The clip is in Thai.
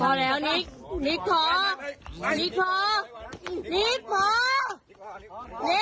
ดูอีกให้ตายด้วย